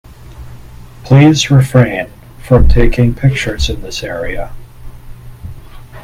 Please refrain from taking pictures in this area.